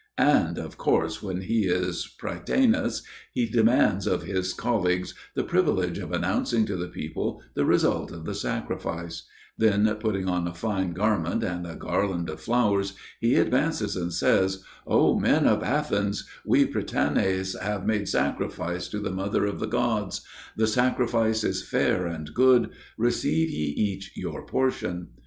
And, of course, when he is a prytanis he demands of his colleagues the privilege of announcing to the people the result of the sacrifice; then putting on a fine garment and a garland of flowers, he advances and says: "O men of Athens, we prytanes have made sacrifice to the mother of the gods; the sacrifice is fair and good. Receive ye each your portion."